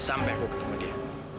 sampai aku ketemu dia